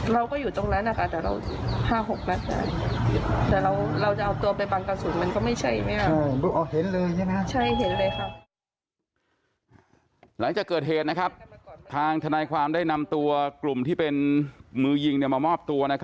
เราก็อยู่ตรงรานะการณ์แต่เรา๕๖ประเทศเนี่ยแต่เราจะเอาตัวไปบันกาศุมันก็ไม่ใช่แน่หรอ